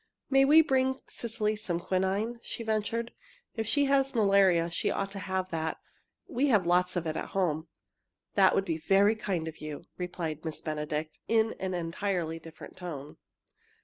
"May we bring Cecily some quinine?" she ventured. "If she has malaria, she ought to have that. We have lots of it at home." "It would be very kind of you," replied Miss Benedict, in an entirely different tone.